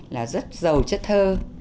là rất giàu chất thơ